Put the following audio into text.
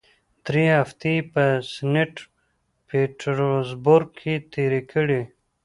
درې هفتې یې په سینټ پیټرزبورګ کې تېرې کړې.